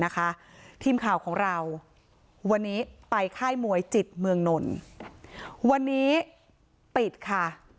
ทีมข่าวของเราวันนี้ไปค่ายมวยจิตเมืองนนท์วันนี้ปิดค่ะ